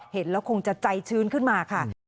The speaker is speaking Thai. เห็นแล้วคงจะใจชื้นขึ้นมาค่ะ